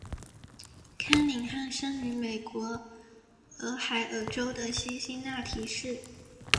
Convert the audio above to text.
康宁汉生于美国俄亥俄州的辛辛那提市。